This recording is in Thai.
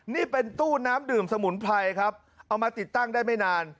นี่เป็นตู้น้ำดื่มสมุนไพรครับเอามาติดตั้งได้ไม่นาน